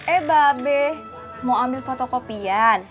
eh babe mau ambil fotokopian